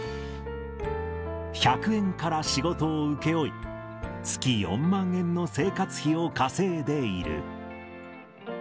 １００円から仕事を請け負い、月４万円の生活費を稼いでいる。